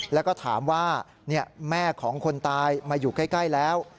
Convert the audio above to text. แล้วก็ถามว่าแม่ของคนตายมาอยู่ใกล้แล้ว